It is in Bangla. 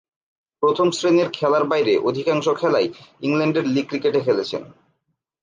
প্রথম-শ্রেণীর খেলার বাইরে অধিকাংশ খেলাই ইংল্যান্ডের লীগ ক্রিকেটে খেলেছেন।